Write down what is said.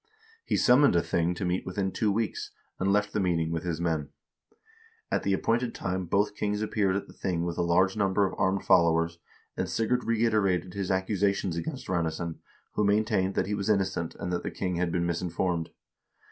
He summoned a thing to meet within two weeks, and left the meeting with his men. At the appointed time both kings appeared at the thing with a large number of armed followers, and Sigurd reiterated his accusations against Ranesson, who maintained that he was innocent, and that the king had been misinformed.